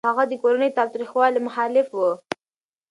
هغه د کورني تاوتريخوالي مخالف و.